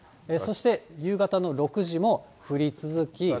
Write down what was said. そして夕方の６時も降り続き。